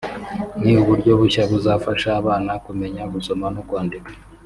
ni uburyo bushya buzafasha abana kumenya gusoma no kwandika